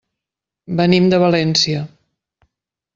Venim de València.